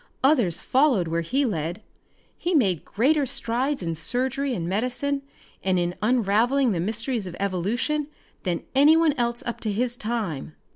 Others followed where he led. He made greater strides in surgery and medicine, and in unravelling the mysteries of evolution, than anyone else up to his time.